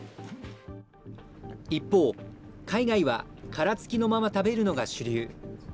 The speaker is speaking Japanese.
一方、海外は殻付きのまま食べるのが主流。